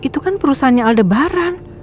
itu kan perusahaannya aldebaran